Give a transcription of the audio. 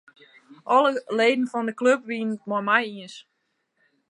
Alle leden fan 'e klup wiene it mei my iens.